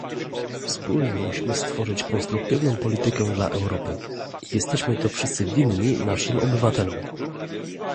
Wspólnie musimy stworzyć konstruktywną politykę dla Europy - jesteśmy to wszyscy winni naszym obywatelom